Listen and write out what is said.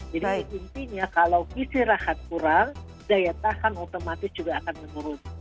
jadi intinya kalau isi rehat kurang daya tahan otomatis juga akan menurun